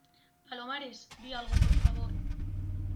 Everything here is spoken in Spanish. palomares, di algo , por favor.